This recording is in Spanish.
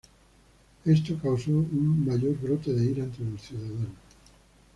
Esto causó un mayor brote de ira entre los ciudadanos.